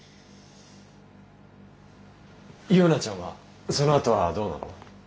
ユウナちゃんはそのあとはどうなの？